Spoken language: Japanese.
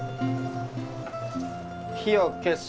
火を消す。